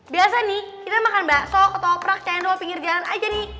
biasa nih kita makan bakso atau perak cendol pinggir jalan aja nih